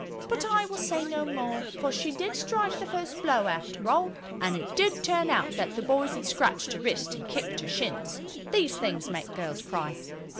But I will say no more: for she did strike the first blow, after all, and it did turn out that the boys had scratched her wrist and kicked her shins. These things make girls cry.